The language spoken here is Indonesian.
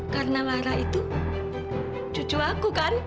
karena lara itu cucu aku kan